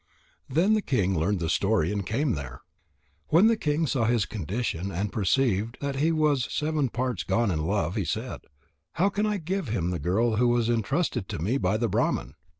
Then the king learned the story and came there. When the king saw his condition and perceived that he was seven parts gone in love, he said: "How can I give him the girl who was intrusted to me by the Brahman?